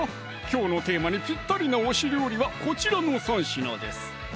きょうのテーマにぴったりな推し料理はこちらの３品です